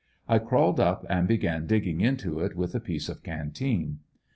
I crawled up, and began digging into it w^ith a piece of canteen.